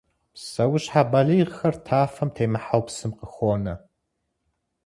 Псэущхьэ балигъхэр тафэм темыхьэу псым къыхонэ.